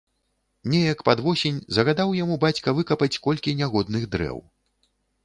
Неяк пад восень загадаў яму бацька выкапаць колькі нягодных дрэў.